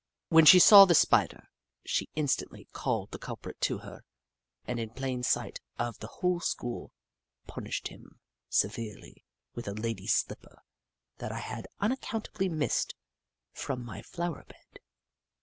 When she saw the Spider, she instantly called the culprit to her, and in plain sight of the whole school punished him se verely with a lady's slipper that I had unac countably missed from my flower bed.